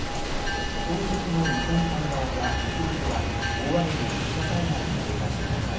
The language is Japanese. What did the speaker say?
東北の日本海側や北陸は大雨による土砂災害に警戒してください。